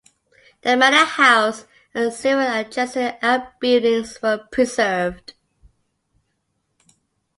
The manor house and several adjacent outbuildings were preserved.